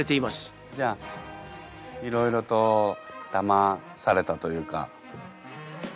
じゃあいろいろとだまされたというか。